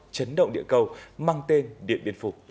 chấn động địa cầu mang tên điện biên phủ